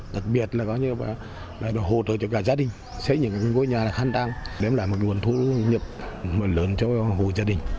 đặc biệt là hồ cho cả gia đình xây những ngôi nhà khăn đăng đem lại một nguồn thu nhập lớn cho hồ gia đình